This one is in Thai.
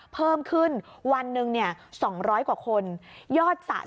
เพิ่มขึ้นวันหนึ่งเนี่ย๒๐๐กว่าคนยอดสะ